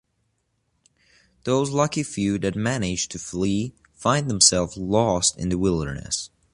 Those lucky few that manage to flee find themselves lost in the wilderness.